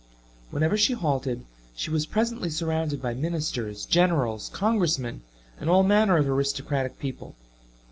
Whenever she halted, she was presently surrounded by Ministers, Generals, Congressmen, and all manner of aristocratic people.